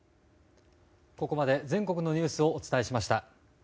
ここまで全国のニュースをお伝えしました。